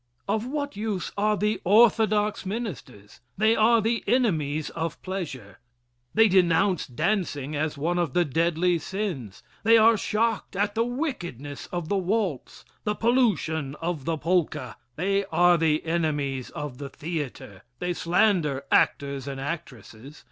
Of what Use are the Orthodox Ministers? They are the enemies of pleasure. They denounce dancing as one of the deadly sins. They are shocked at the wickedness of the waltz the pollution of the polka. They are the enemies of the theatre. They slander actors and actresses.